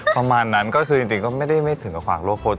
ประมาณนั้นก็ไม่ถึงกับขวางโลก